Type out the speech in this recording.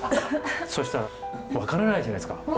そしたら分からないじゃないですか。